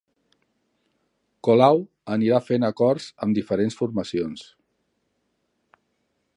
Colau anirà fent acords amb diferents formacions